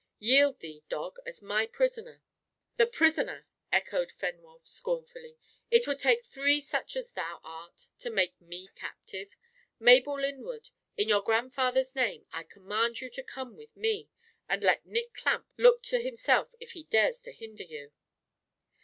Yield thee, dog, as my prisoner!" "Thy prisoner!" echoed Fenwolf scornfully. "It would take three such as thou art to make me captive! Mabel Lyndwood, in your grandfather's name, I command you to come with me, and let Nick Clamp look to himself if he dares to hinder you."